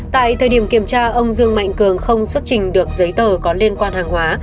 tại thời điểm kiểm tra ông dương mạnh cường không xuất trình được giấy tờ có liên quan hàng hóa